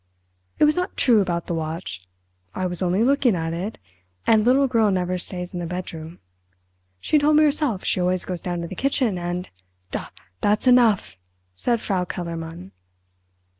"It was not true about the watch. I was only looking at it, and the little girl never stays in the bedroom. She told me herself she always goes down to the kitchen, and—" "Da, that's enough!" said Frau Kellermann.